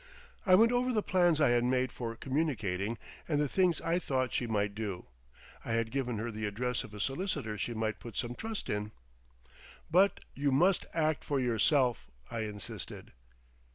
I went over the plans I had made for communicating, and the things I thought she might do. I had given her the address of a solicitor she might put some trust in. "But you must act for yourself," I insisted.